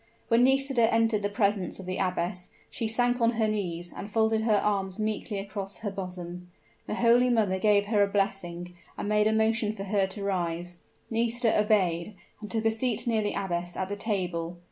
When Nisida entered the presence of the abbess, she sank on her knees, and folded her arms meekly across her bosom. The holy mother gave her a blessing, and made a motion for her to rise. Nisida obeyed, and took a seat near the abbess at the table.